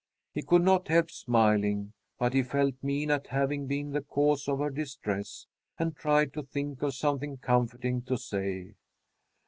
He could not help smiling, but he felt mean at having been the cause of her distress, and tried to think of something comforting to say.